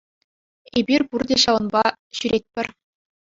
Эпир пурте ҫавӑнта ҫӳретпӗр.